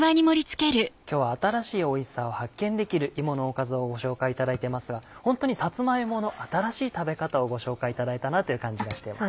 今日は新しいおいしさを発見できる芋のおかずをご紹介いただいてますがホントにさつま芋の新しい食べ方をご紹介いただいたなという感じがしてます。